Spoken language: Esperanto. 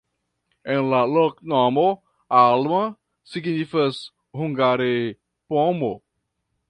En la loknomo alma signifas hungare: pomo.